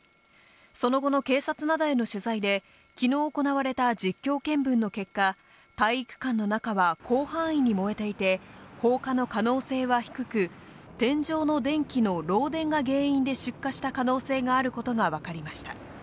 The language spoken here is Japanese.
その後の警察などへの取材で、きのう行われた実況見分の結果、体育館の中は広範囲に燃えていて、放火の可能性は低く、天井の電気の漏電が原因で出火した可能性があることが分かりました。